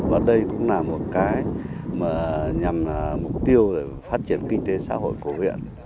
và đây cũng là một mục tiêu để phát triển kinh tế xã hội của huyện